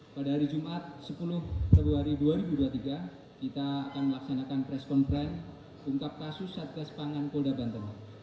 pada hari jumat sepuluh februari dua ribu dua puluh tiga kita akan melaksanakan press conference ungkap kasus satgas pangan polda banten